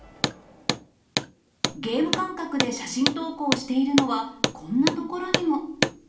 ゲーム感覚で写真投稿しているのは、こんなところにも。